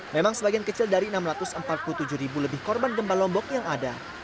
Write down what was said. memang sebagian kecil dari enam ratus empat puluh tujuh ribu lebih korban gempa lombok yang ada